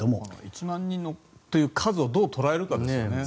１万人という数をどう捉えるかですよね。